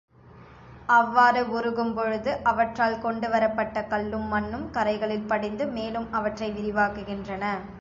அவ்வாறு உருகும் பொழுது, அவற்றால் கொண்டுவரப்பட்ட கல்லும் மண்ணும் கரைகளில் படிந்து, மேலும் அவற்றை விரிவாக்குகின்றன.